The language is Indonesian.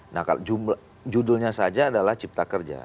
nah judulnya saja adalah cipta kerja